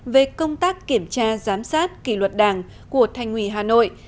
về công tác kiểm tra giám sát kỳ luật đảng của thành hủy hà nội